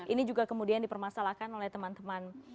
ini juga kemudian dipermasalahkan oleh teman teman